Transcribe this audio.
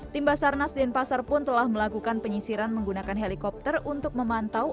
tim basarnas denpasar pun telah melakukan penyisiran menggunakan helikopter untuk memantau